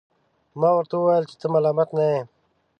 ما ورته وویل چي ته ملامت نه یې.